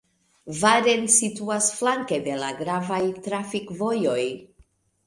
Varen situas flanke de la gravaj trafikvojoj.